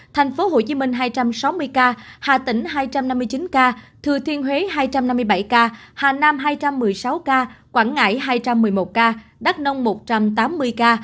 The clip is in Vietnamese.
tp hcm hai trăm sáu mươi ca hà tĩnh hai trăm năm mươi chín ca thừa thiên huế hai trăm năm mươi bảy ca hà nam hai trăm một mươi sáu ca quảng ngãi hai trăm một mươi một ca đắk nông một trăm tám mươi ca